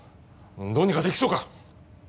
どうにかできそうか？